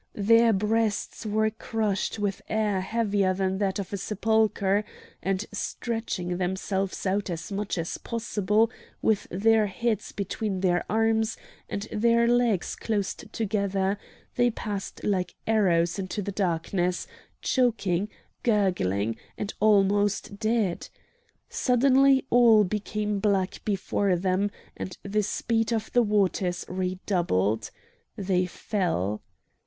Their breasts were crushed with air heavier than that of a sepulchre, and stretching themselves out as much as possible with their heads between their arms and their legs close together, they passed like arrows into the darkness, choking, gurgling, and almost dead. Suddenly all became black before them, and the speed of the waters redoubled. They fell.